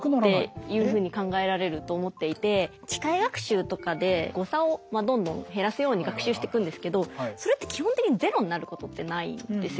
機械学習とかで誤差をどんどん減らすように学習してくんですけどそれって基本的にゼロになることってないんですよ。